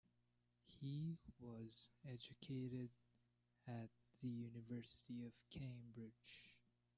He was educated at the University of Cambridge.